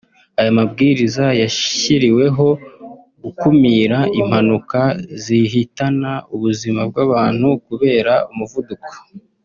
Aya mabwiriza yashyiriweho gukumira impanuka zihitana ubuzima bw’abantu kubera umuvuduko